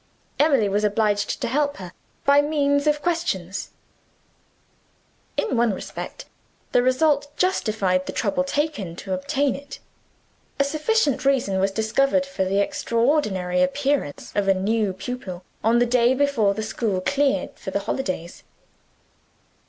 Emily was obliged to help her, by means of questions. In one respect, the result justified the trouble taken to obtain it. A sufficient reason was discovered for the extraordinary appearance of a new pupil, on the day before the school closed for the holidays.